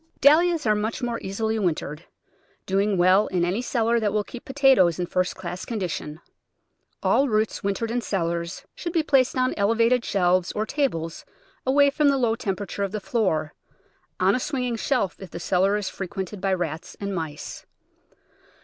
Dahlias are much more easily wintered, doing well in any cellar that will keep potatoes in first class con dition. All roots wintered in cellars should be placed on elevated shelves or tables away from the low tem perature of the floor— on a swinging shelf, if the cel lar is frequented by rats and mice.